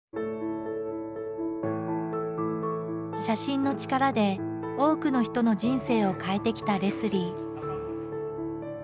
写真の力で多くの人の人生を変えてきたレスリー。